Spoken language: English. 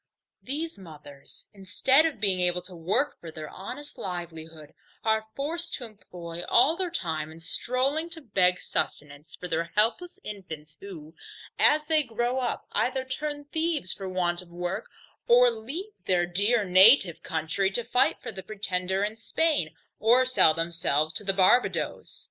These mothers, instead of being able to work for their honest livelihood, are forced to employ all their time in stroling to beg sustenance for their helpless infants who, as they grow up, either turn thieves for want of work, or leave their dear native country, to fight for the Pretender in Spain, or sell themselves to the Barbadoes.